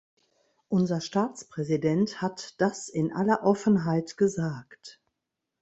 Unser Staatspräsident hat das in aller Offenheit gesagt.